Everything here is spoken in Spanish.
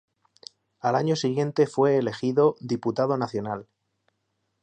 Al año siguiente fue elegido Diputado Nacional.